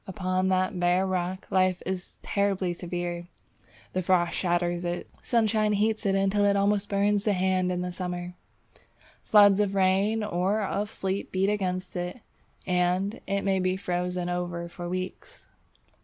Upon that bare rock, life is terribly severe. The frost shatters it, sunshine heats it until it almost burns the hand in summer. Floods of rain or of sleet beat against it, and it may be frozen over for weeks.